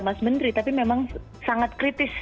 mas menteri tapi memang sangat kritis